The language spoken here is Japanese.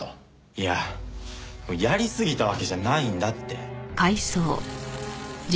いややりすぎたわけじゃないんだって。